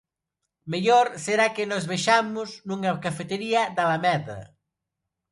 Mellor será que nos vexamos nunha cafetería da Alameda...